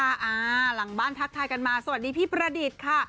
หลังบ้านทักทายกันมาสวัสดีพี่ประดิษฐ์ค่ะ